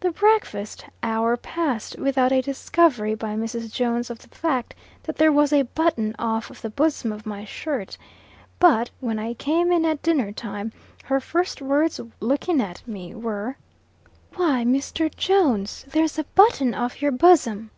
The breakfast hour passed without a discovery by Mrs. Jones of the fact that there was a button off of the bosom of my shirt. But, when I came in at dinner time, her first words, looking at me, were: "Why, Mr. Jones, there's a button off your bosom."